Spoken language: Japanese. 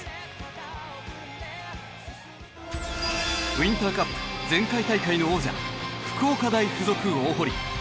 ウインターカップ前回大会の王者福岡大附属大濠。